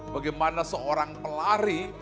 bagaimana seorang pelari